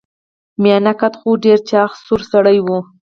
میانه قده خو ډیر چاغ سور سړی و.